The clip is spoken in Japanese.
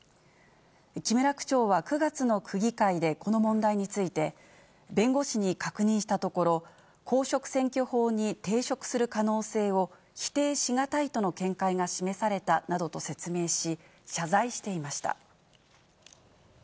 木村区長は９月の区議会でこの問題について、弁護士に確認したところ、公職選挙法に抵触する可能性を否定しがたいとの見解が示されたなどと説明し、謝罪していました。